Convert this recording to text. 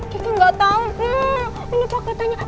kiki nggak tau ini paketannya